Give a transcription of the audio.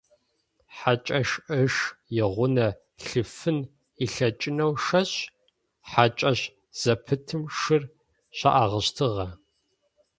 Хьакӏэм ыш игъунэ лъифын ылъэкӏынэу шэщ-хьакӏэщ зэпытым шыр щаӏыгъыщтыгъэ.